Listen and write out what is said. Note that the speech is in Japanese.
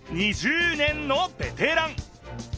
２０年のベテラン。